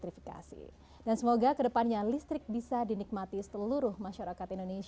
terima kasih pak